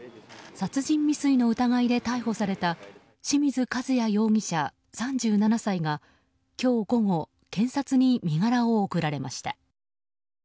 殺人未遂の疑いで逮捕された清水和也容疑者、３７歳が今日午後検察に身柄を送られました。